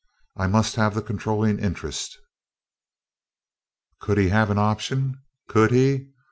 I must have the controlling interest." Could he have an option? Could he!